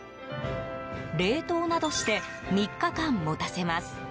冷凍などして３日間持たせます。